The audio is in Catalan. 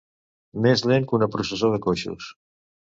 Més lent que una processó de coixos.